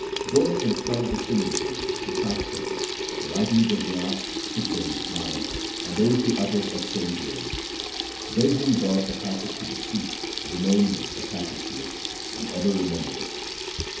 Go and consult the Simritis, the Shastars, the writings of Vyas, 2 Shukdev, Narad, and those who uttered excellent words. They whom God attacheth to the truth remain attached to it and ever remember it.